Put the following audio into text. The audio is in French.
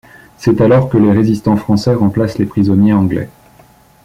C'est alors que les résistants français remplacent les prisonniers anglais.